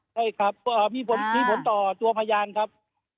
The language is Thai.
ใช่ครับก็มีผลต่อตัวพยานครับ